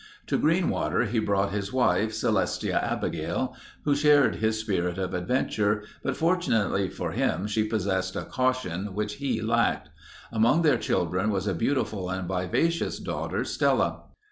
To Greenwater he brought his wife, Celestia Abigail, who shared his spirit of adventure, but fortunately for him she possessed a caution which he lacked. Among their children was a beautiful and vivacious daughter, Stella.